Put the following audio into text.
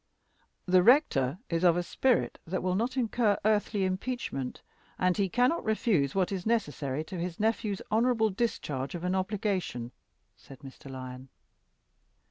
"The rector is of a spirit that will not incur earthly impeachment, and he cannot refuse what is necessary to his nephew's honorable discharge of an obligation," said Mr. Lyon.